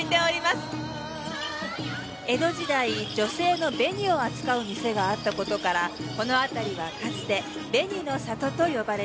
江戸時代女性の紅を扱う店があった事からこの辺りはかつて「紅の里」と呼ばれていました。